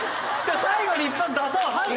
最後に一発出そう。